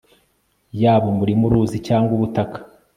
Yaba umurima uruzi cyangwa ubutaka